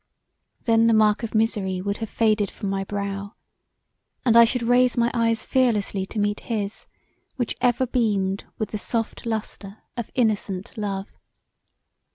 Then the mark of misery would have faded from my brow, and I should raise my eyes fearlessly to meet his, which ever beamed with the soft lustre of innocent love.